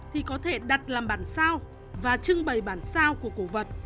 thì có thể đặt làm bản sao và trưng bày bản sao của cổ vật